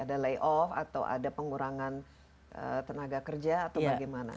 ada layoff atau ada pengurangan tenaga kerja atau bagaimana